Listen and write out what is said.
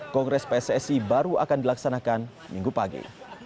kongres pssi baru akan dilaksanakan minggu pagi